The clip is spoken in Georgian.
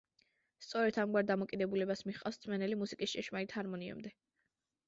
სწორედ ამგვარ დამოკიდებულებას მიჰყავს მსმენელი მუსიკის ჭეშმარიტ ჰარმონიამდე.